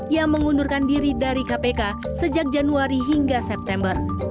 yang mengundurkan diri dari kpk sejak januari hingga september